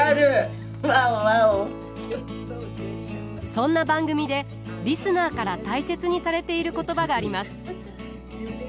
そんな番組でリスナーから大切にされている言葉があります。